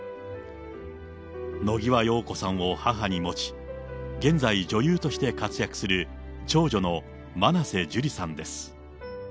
野際陽子さんを母に持ち、現在、女優として活躍する長女の真瀬樹里さんです。